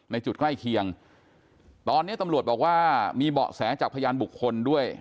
ในจุดใกล้เคียงตอนนี้ตำรวจบอกว่ามีเบาะแสจากพยานบุคคลด้วย